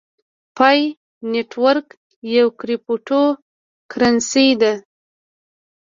پای نیټورک یوه کریپټو کرنسۍ ده